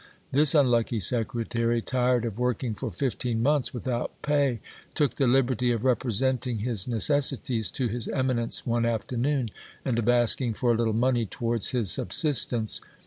This unlucky secretary, tired of working for fifteen months without pay, took the liberty of representing his necessities to his Eminence one afternoon, and of asking for a little money towards his subsistence.